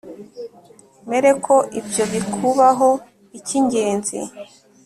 mere ko ibyo bikubaho Icyingenzi